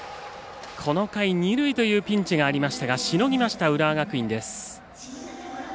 この回、二塁というピンチがありましたがしのぎました、浦和学院です。